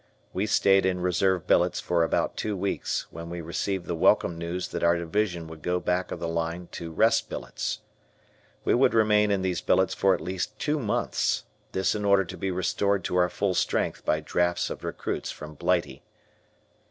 We stayed in reserve billets for about two weeks when we received the welcome news that our division would go back of the line "to rest billets." We would remain in these billets for at least two months, this in order to be restored to our full strength by drafts of recruits from Blighty.